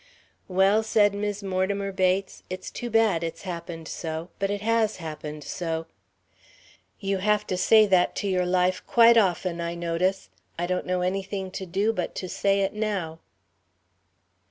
"Well," said Mis' Mortimer Bates, "it's too bad it's happened so. But it has happened so. You have to say that to your life quite often, I notice. I don't know anything to do but to say it now."